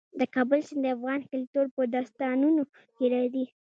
د کابل سیند د افغان کلتور په داستانونو کې راځي.